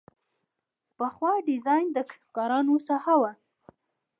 پخوا ډیزاین د کسبکارانو ساحه وه.